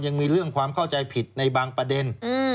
ยังมีเรื่องความเข้าใจผิดในบางประเด็น